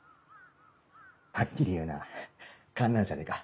はっきり言うなぁ観覧車でか？